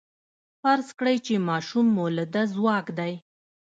فرض کړئ چې ماشوم مؤلده ځواک دی.